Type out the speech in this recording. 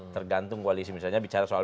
tergantung koalisi misalnya bicara soal